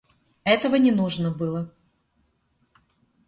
Этого не нужно было.